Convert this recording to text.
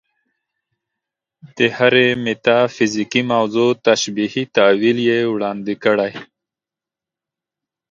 د هرې میتافیزیکي موضوع تشبیهي تأویل یې وړاندې کړی.